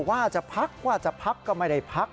ว่าจะพักว่าจะพักก็ไม่ได้พัก